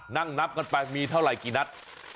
นั่งนับกันไปมีเท่าไหร่กี่นัด